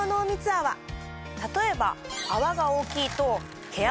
例えば。